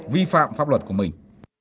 vi phạm pháp luật của mình